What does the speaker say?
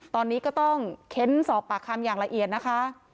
ตอนนี้ก็ต้องเค้นสอบปากคำอย่างละเอียดนะคะ